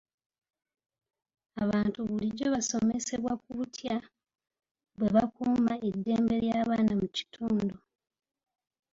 Abantu bulijjo basomesebwa ku butya bwe bakuuma eddembe ly'abaana mu kitundu.